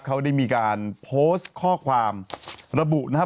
เขาได้มีการโพสต์ข้อความระบุนะครับ